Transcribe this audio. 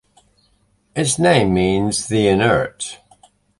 Its name means "the inert".